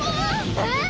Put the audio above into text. えっ？